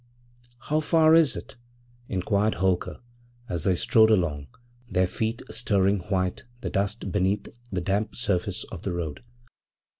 'How far is it?' inquired Holker, as they strode along, their feet stirring white the dust beneath the damp surface of the road.